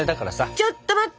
ちょっと待って！